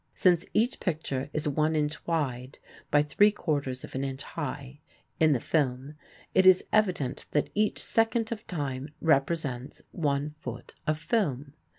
Since each picture is one inch wide by three quarters of an inch high in the film it is evident that each second of time represents one foot of film.